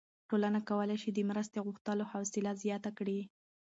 ټولنه کولی شي د مرستې غوښتلو حوصله زیاته کړي.